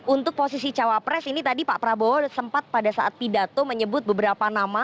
untuk posisi cawapres ini tadi pak prabowo sempat pada saat pidato menyebut beberapa nama